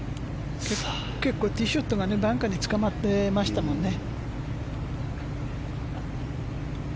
結構ティーショットがバンカーにつかまってましたね。